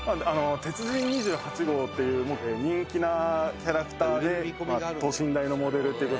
「鉄人２８号っていう人気なキャラクターで等身大のモデルっていう事でもう」